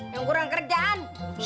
yang kurang kerjaan